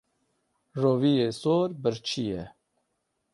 Roviyê sor birçî ye.